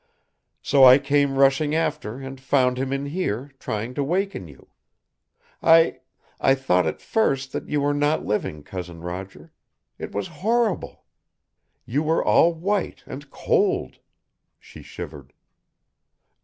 So I came rushing after and found him in here, trying to waken you. I I thought at first that you were not living, Cousin Roger. It was horrible! You were all white and cold " she shivered.